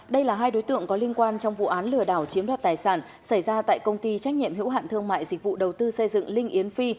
đây là hai đối tượng có liên quan trong vụ án lừa đảo chiếm đoạt tài sản xảy ra tại công ty trách nhiệm hữu hạn thương mại dịch vụ đầu tư xây dựng linh yến phi